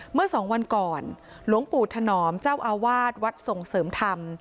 เมื่อสองวันก่อนหลวงปู่ถนอมเจ้าอาวาสวัดส่งเสริมธรรม